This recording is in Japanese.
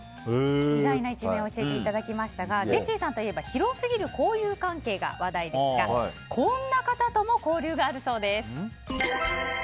意外な一面を教えていただきましたがジェシーさんといえば広すぎる交友関係が話題ですがこんな方とも交流があるそうです。